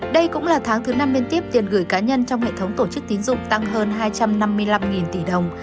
đây cũng là tháng thứ năm liên tiếp tiền gửi cá nhân trong hệ thống tổ chức tín dụng tăng hơn hai trăm năm mươi năm tỷ đồng